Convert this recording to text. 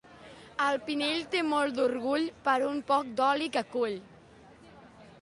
El Pinell té molt d'orgull per un poc d'oli que cull.